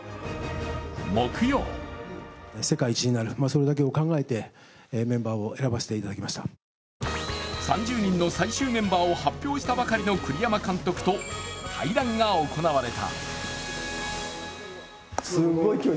木曜、３０人の最終メンバーを発表したばかりの栗山監督と対談が行われた。